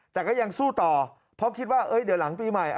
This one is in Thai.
แต่ก็ยังสู้ต่อเพราะคิดว่าเดี๋ยวหลังปีใหม่